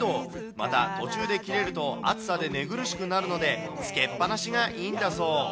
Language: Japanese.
また、途中で切れると、暑さで寝苦しくなるので、つけっぱなしがいいんだそう。